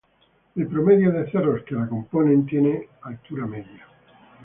El promedio de cerros que la componen tiene altura mediana.